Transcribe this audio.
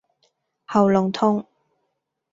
喉嚨痛